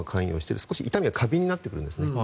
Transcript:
少し痛みが過敏になってくるんですね。